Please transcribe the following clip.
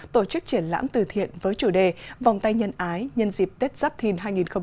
tổ chức triển lãm từ thiện với chủ đề vòng tay nhân ái nhân dịp tết giáp thìn hai nghìn hai mươi bốn